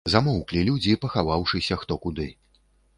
Замоўклі людзі, пахаваўшыся хто куды.